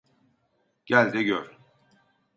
Gel de gör.